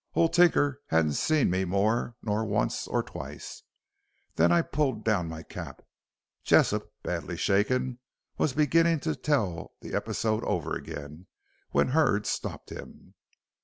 Old Tinker hadn't seen me more nor once or twice, and then I pulled down my cap and " Jessop, badly shaken, was beginning to tell the episode over again, when Hurd stopped him.